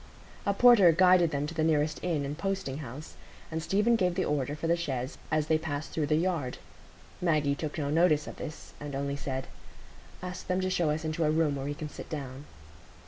A porter guided them to the nearest inn and posting house, and Stephen gave the order for the chaise as they passed through the yard. Maggie took no notice of this, and only said, "Ask them to show us into a room where we can sit down."